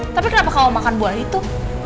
tapi kenapa kalau makan buah itu